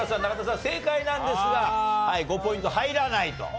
正解なんですが５ポイント入らないと。